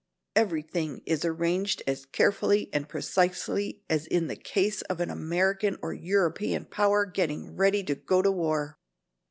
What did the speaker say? Everything is arranged as carefully and precisely as in the case of an American or European power getting ready to go to war.